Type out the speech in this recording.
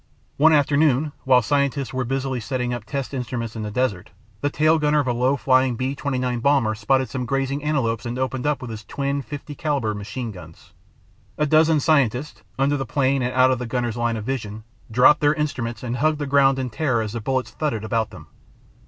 One afternoon while scientists were busily setting up test instruments in the desert, the tail gunner of a low flying B 29 bomber spotted some grazing antelopes and opened up with his twin.50 caliber machine guns. "A dozen scientists,... under the plane and out of the gunner's line of vision, dropped their instruments and hugged the ground in terror as the bullets thudded about them."